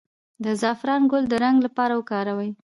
د زعفران ګل د رنګ لپاره وکاروئ